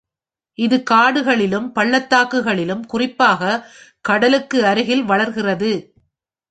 இது காடுகளிலும் பள்ளத்தாக்குகளிலும், குறிப்பாக கடலுக்கு அருகில் வளர்கிறது.